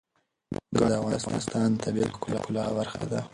ګاز د افغانستان د طبیعت د ښکلا برخه ده.